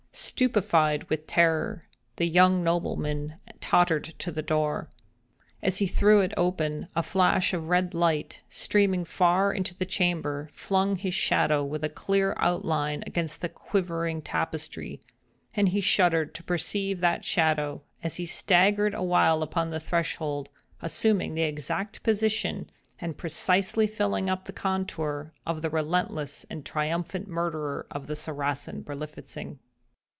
Stupefied with terror, the young nobleman tottered to the door. As he threw it open, a flash of red light, streaming far into the chamber, flung his shadow with a clear outline against the quivering tapestry, and he shuddered to perceive that shadow—as he staggered awhile upon the threshold—assuming the exact position, and precisely filling up the contour, of the relentless and triumphant murderer of the Saracen Berlifitzing.